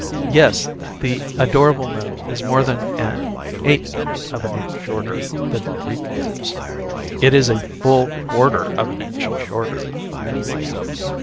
Yes the adorable nose is more than an eighth of an inch shorter than the Greek nose. It is a full quarter of an inch shorter.